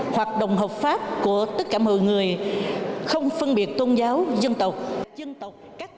hoạt động hợp pháp của tất cả mọi người không phân biệt tôn giáo dân tộc